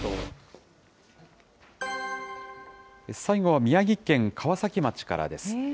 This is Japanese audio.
最後は、宮城県川崎町からです。